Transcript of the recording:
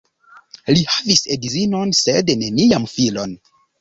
Li havis edzinon sed neniam filon.